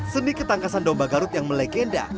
seni ketangkasan domba garut yang melegenda